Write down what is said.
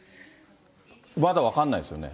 まだ分かんないですよね。